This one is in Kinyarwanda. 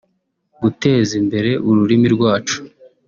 guteza imbere ururimi rwacu